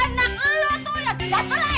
anak lo tuh yang tidak telan